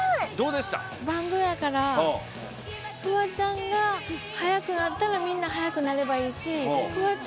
バンドやから、フワちゃんが速くなったら、みんな速くなればいいし、フワち